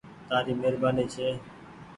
تآري مهرباني ڇي